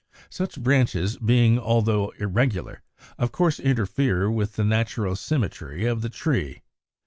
Such branches, being altogether irregular, of course interfere with the natural symmetry of the tree.